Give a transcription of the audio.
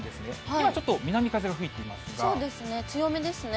今ちょっと、南風が吹いていますそうですね、強めですね。